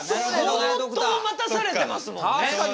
相当待たされてますもんね。